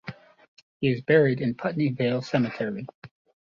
He is buried in Putney Vale Cemetery.